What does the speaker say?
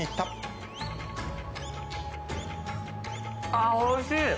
あおいしい！